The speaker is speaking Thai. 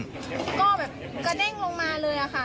ก็แบบกระเด้งลงมาเลยค่ะ